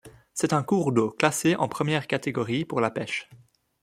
C'est un cours d'eau classé en première catégorie pour la pêche.